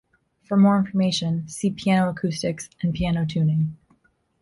For more information, "see Piano acoustics" and "Piano tuning".